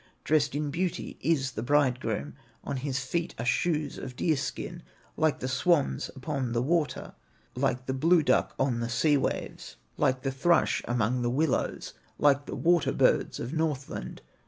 Dressed in beauty is the bridegroom, On his feet are shoes of deer skin, Like the swans upon the water, Like the blue duck on the sea waves, Like the thrush among the willows, Like the water birds of Northland.